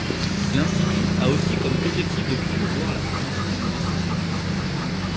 L'institut a aussi comme objectif de promouvoir la formation à la gestion culturelle.